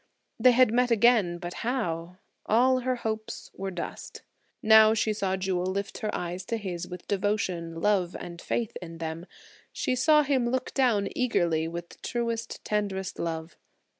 They had met again, but how? All her hopes were dust. New she saw Jewel lifted her eyes to his with devotion, love and faith in them; she saw him look down eagerly, with truest, tenderest love.